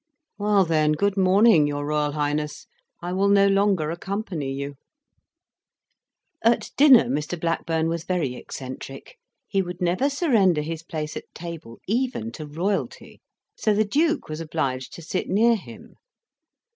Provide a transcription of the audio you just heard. "Well then, good morning, your Royal Highness; I will no longer accompany you." At dinner Mr. Blackburn was very eccentric: he would never surrender his place at table even to royalty; so the Duke was obliged to sit near him.